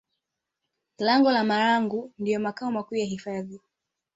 Lango la Marangu ndiyo makao makuu ya hifadhi